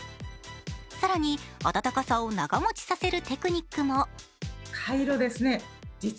更に、温かさを長もちさせるテクニックも。